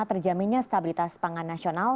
terjaminnya stabilitas pangan nasional